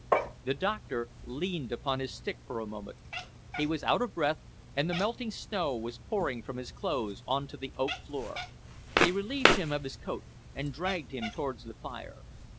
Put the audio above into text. The doctor leaned upon his stick for a moment. He was out of breath, and the melting snow was pouring from his clothes on to the oak floor. They relieved him of his coat and dragged him towards the fire.